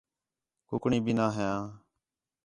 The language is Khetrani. کُکڑیں بھی نہ ہیاں